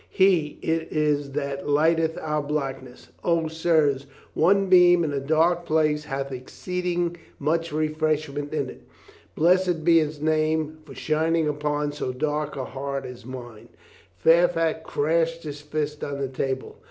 He it is that lighteneth our blackness. O, sirs, one beam in a dark place hath exceeding much refresh ment in it. Blessed be His Name, for shining upon so dark a heart as mine!" Fairfax crashed his fist on the table.